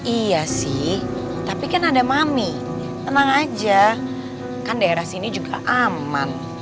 iya sih tapi kan ada mami tenang aja kan daerah sini juga aman